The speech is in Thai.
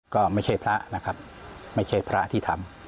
ก็ไม่ใช่พระนะครับไม่ใช่พระที่ทำ